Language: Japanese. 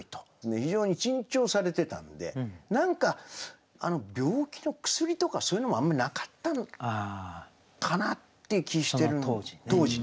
非常に珍重されてたんで何か病気の薬とかそういうのもあんまりなかったのかなっていう気してる当時ね。